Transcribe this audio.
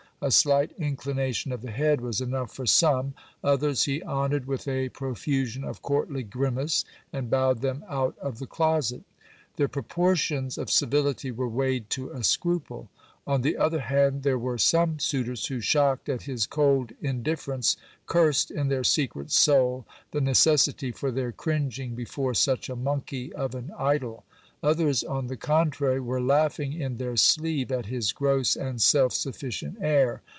A slight inclination of the head was enough for some ; others he honoured with a pro fusion of courtly grimace, and bowed them out of the closet. The proportions of civility were weighed to a scruple. On the other hand, there were some suitors who, shocked at his cold indifference, cursed in their secret soul the necessity for their cringing before such a monkey of an idol. Others, on the contrary, were laughing in their sleeve at his gross and self sufficient air.